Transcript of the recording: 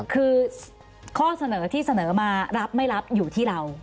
คือข้อเสนอที่เสนอมารับไม่รับอยู่ที่เรา